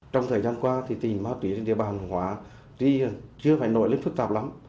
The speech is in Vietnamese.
trong thời gian qua thì tỉnh ma túy trên địa bàn hương hóa đi chưa phải nổi lên phức tạp lắm